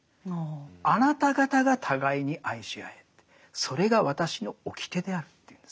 あなた方が互いに愛し合えってそれが私の掟であるって言うんですね。